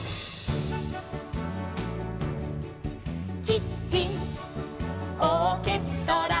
「キッチンオーケストラ」